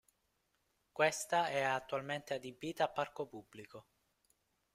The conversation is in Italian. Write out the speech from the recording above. Questa è attualmente adibita a parco pubblico.